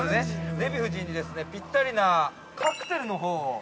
デヴィ夫人にぴったりなカクテルのほうを。